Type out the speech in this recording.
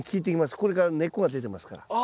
これから根っこが出てますから。